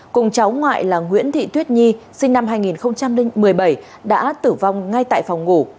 cùng cháu ngoại là nguyễn thị tuyết nhi sinh năm hai nghìn một mươi bảy đã tử vong ngay tại phòng ngủ